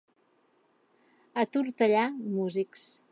A Tortellà, músics.